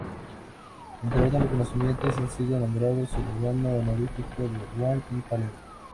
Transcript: Entre otros reconocimientos, ha sido nombrado ciudadano honorífico de Ruan y Palermo.